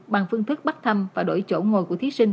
bằng phương thức bắt thăm và đổi chỗ ngồi của thí sinh